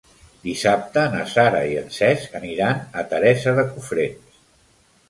Dissabte na Sara i en Cesc aniran a Teresa de Cofrents.